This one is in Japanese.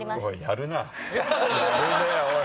やるねおい。